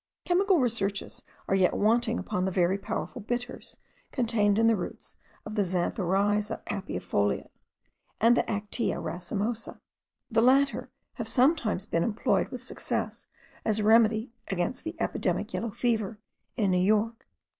Chemical researches are yet wanting upon the very powerful bitters contained in the roots of the Zanthoriza apiifolia, and the Actaea racemosa: the latter have sometimes been employed with success as a remedy against the epidemic yellow fever in New York.)